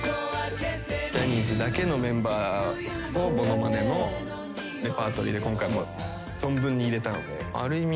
ジャニーズだけのメンバーをものまねのレパートリーで今回も存分に入れたのである意味